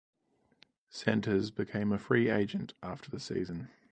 Centers became a free agent after the season.